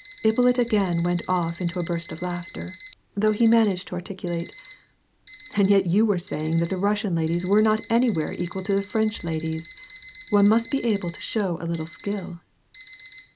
Ippolit again went off into a burst of laughter, through which he managed to articulate, — "And yet you were saying that the Russian ladies were not anywhere equal to the French ladies ! One must be able to show a little skill."